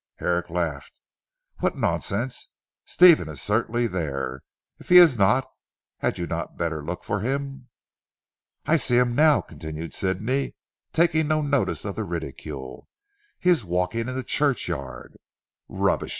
Herrick laughed. "What nonsense! Stephen is certainly there. If he is not, had you not better look for him?" "I see him now," continued Sidney taking no notice of the ridicule. "He is walking in the churchyard." "Rubbish!"